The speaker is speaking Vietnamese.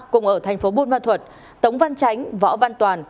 cùng ở thành phố bôn ma thuật tống văn tránh võ văn toàn